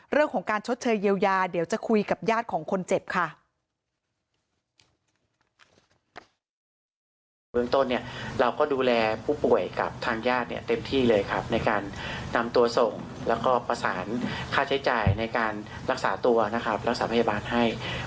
เรื่องของการชดเชยเยียวยาเดี๋ยวจะคุยกับญาติของคนเจ็บค่ะ